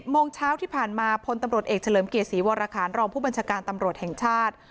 โมงเช้าที่ผ่านมาพลตำรวจเอกเฉลิมเกียรติศรีวรคารรองผู้บัญชาการตำรวจแห่งชาติ